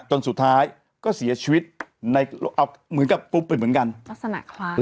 จนสุดท้ายก็เสียชีวิตในเอาเหมือนกับกุ๊บไปเหมือนกันลักษณะคล้าย